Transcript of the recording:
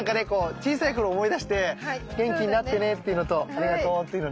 小さい頃思い出して「元気になってね」っていうのと「ありがとう」っていうので。